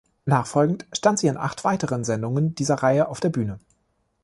Nachfolgend stand sie in acht weiteren Sendungen dieser Reihe auf der Bühne.